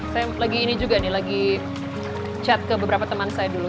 saya lagi chat ke beberapa teman saya dulu